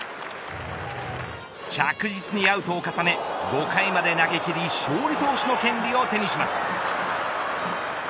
着実にアウトを重ね５回まで投げ切り勝利投手の権利を手にします。